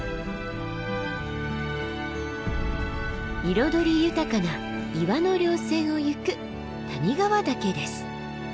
彩り豊かな岩の稜線を行く谷川岳です。